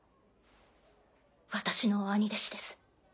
私の兄弟子です。